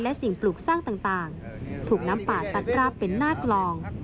และสิ่งปลูกสร้างต่างถูกน้ำป่าซัดราบเป็นหน้ากลอง